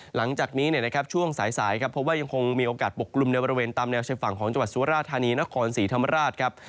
หลังจากนี้นะครับช่วงสายครับเพราะว่ายังคงมีโอกาสปกกลุ่มในบริเวณตามแนวชายฝั่งของจังหวัดสุราธานีนครศรีธรรมราชครับ